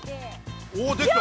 おおできた。